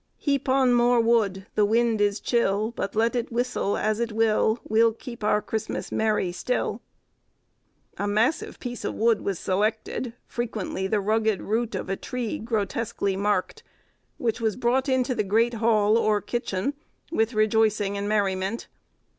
"Heap on more wood—the wind is chill; But let it whistle as it will, We'll keep our Christmas merry still." A massive piece of wood was selected, frequently the rugged root of a tree grotesquely marked, which was brought into the great hall or kitchen, with rejoicing and merriment.